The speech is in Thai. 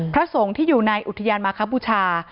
พระสงฆ์ที่อยู่ในอุทยานมาคบูชา